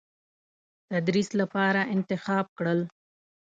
تدریس لپاره انتخاب کړل.